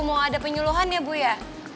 mau ada penyuluhan ya bu ya